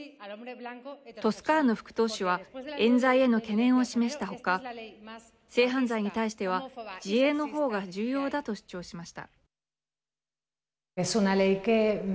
トスカーノ副党首はえん罪への懸念を示した他性犯罪に対しては自衛の方が重要だと主張しました。